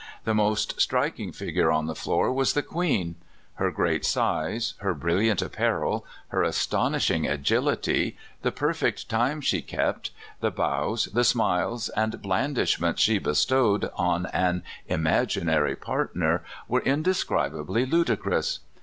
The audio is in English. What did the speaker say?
The most striking figure on the floor was the queen. Her great size, her brilliant apparel, her astonishing agiHty, the perfect time she kept, the bows, the smiles, and blandishments she bestowed on an imaginary part ner were indescribably ludicrous.